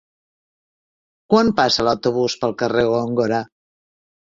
Quan passa l'autobús pel carrer Góngora?